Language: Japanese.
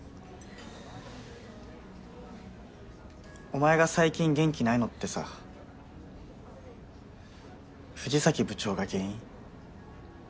お前が最近元気ないのってさ富士崎部長が原因？